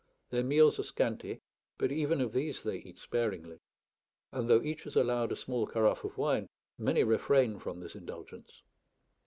Their meals are scanty, but even of these they eat sparingly; and though each is allowed a small carafe of wine, many refrain from this indulgence.